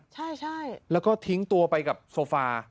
ใช่แล้วก็ทิ้งตัวไปกับโซฟา